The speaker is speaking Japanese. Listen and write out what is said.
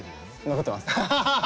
残ってます。